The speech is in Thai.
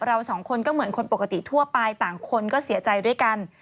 เราสองคนก็เหมือนคนปกติทั่วไปต่างคนก็เสียใจด้วยกัน